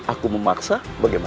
aku memaksa bagaimana